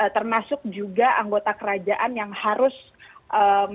termasuk juga anggota kerajaan yang harus melakukan tur